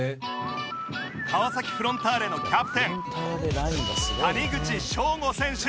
川崎フロンターレのキャプテン谷口彰悟選手